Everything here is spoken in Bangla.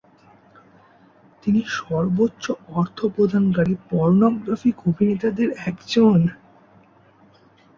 তিনি সর্বোচ্চ অর্থ প্রদানকারী পর্নোগ্রাফিক অভিনেতাদের একজন।